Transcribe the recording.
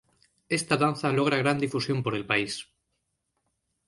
Esta danza logra gran difusión por el país.